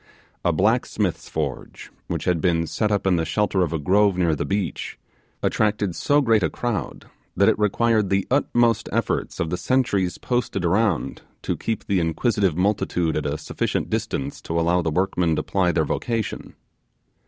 A blacksmith's forge, which had been set up in the shelter of a grove near the beach, attracted so great a crowd, that it required the utmost efforts of the sentries posted around to keep the inquisitive multitude at a sufficient distance to allow the workmen to ply their vocation.